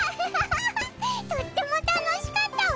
とっても楽しかったわ。